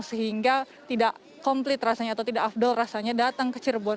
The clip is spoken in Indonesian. sehingga tidak komplit rasanya atau tidak afdol rasanya datang ke cirebon